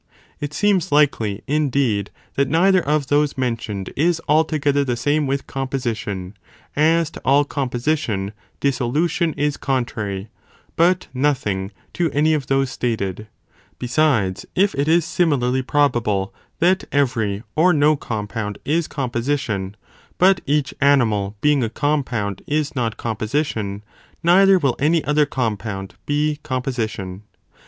It seems likely, indeed, that neither of those mentioned is altogether the same with composition, as to all composition, dissolution is contrary, but nothing to any of those stated ; besides, if it is similarly probable, that every or no compound, is composition, but each animal being a com pound is not composition, neither will any other compound be composition.